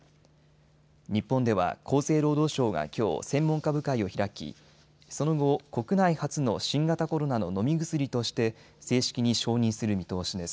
日本では厚生労働省がきょう、専門家部会を開きその後、国内初の新型コロナの飲み薬として正式に承認する見通しです。